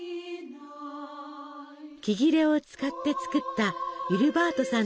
木切れを使って作ったウィルバートさん